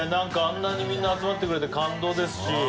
あんなにみんな集まってくれて感動ですし。